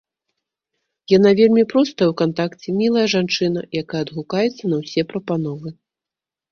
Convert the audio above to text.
Яна вельмі простая ў кантакце, мілая жанчына, якая адгукаецца на ўсе прапановы.